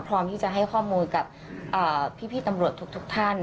พร้อมที่จะให้ข้อมูลกับพี่ตำรวจทุกท่าน